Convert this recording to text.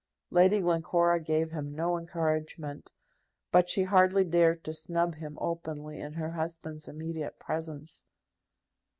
Lady Glencora gave him no encouragement; but she hardly dared to snub him openly in her husband's immediate presence.